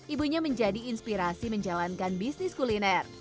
ibunya menjadi inspirasi menjalankan bisnis kuliner